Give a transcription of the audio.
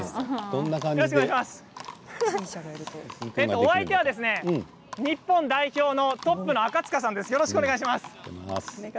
お相手は日本代表のトップのあかつかさんです。